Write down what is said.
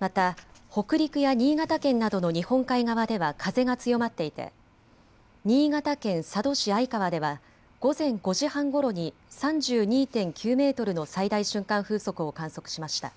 また北陸や新潟県などの日本海側では風が強まっていて新潟県佐渡市相川では午前５時半ごろに３２．９メートルの最大瞬間風速を観測しました。